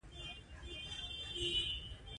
زموږ په سوداګرۍ کې خدای او قران راغی.